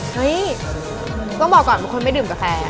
เฮ้ยต้องบอกก่อนบางคนไม่ดื่มกาแฟ